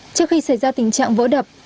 trước khi xảy ra tình trạng vỡ đập